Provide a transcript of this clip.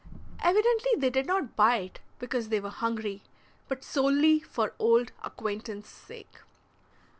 Evidently they did not bite because they were hungry, but solely for old acquaintance' sake.